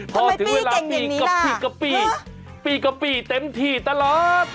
ทำไมพี่เก่งแบบนี้ล่ะปีกับพี่กับพี่เต็มที่ตลอด